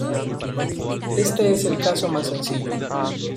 Este es el caso más sencillo.